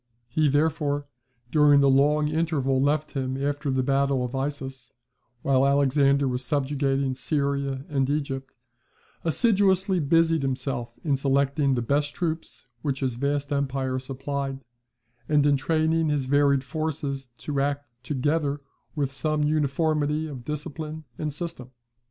He, therefore, during the long interval left him after the battle of Issus, while Alexander was subjugating Syria and Egypt, assiduously busied himself in selecting the best troops which his vast empire supplied, and in training his varied forces to act together with some uniformity of discipline and system.